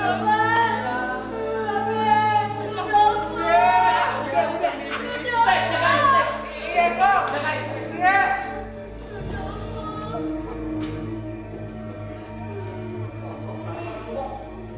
jangan lupa main di sini ya kok